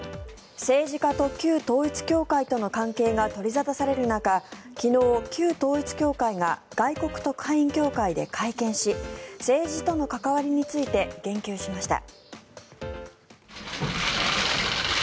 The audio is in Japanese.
政治家と旧統一教会との関係が取り沙汰される中昨日、旧統一教会が外国特派員協会で会見し政治との関わりについて言及しました。